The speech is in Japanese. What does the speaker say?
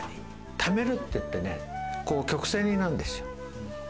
ためるって言ってね、曲線になるんですよ。